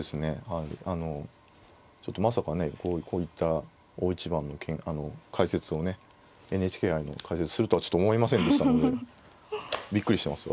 はいあのちょっとまさかねこういった大一番の解説をねＮＨＫ杯の解説するとはちょっと思いませんでしたのでびっくりしてます